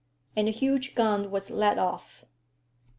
And a huge gun was let off.